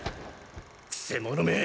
くせ者め！